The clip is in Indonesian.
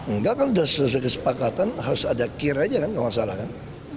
enggak kan sudah sesuai kesepakatan harus ada kir aja kan gak masalah kan